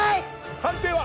判定は？